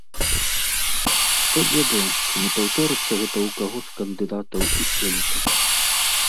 Хто ведае, ці не паўторыцца гэта ў каго з кандыдатаў і сёлета.